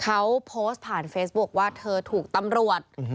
เขาโพสต์ผ่านเฟซบุ๊คว่าเธอถูกตำรวจ